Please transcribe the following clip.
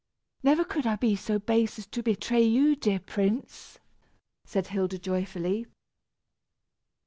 "Never could I be so base as to betray you, dear prince," said Hilda joyfully.